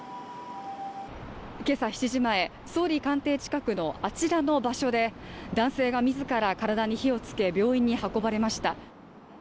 今朝７時前、総理官邸近くのあちらの場所で男性が自ら体に火をつけ病院に運ばれました。